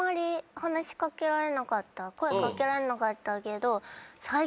声掛けられなかったけど。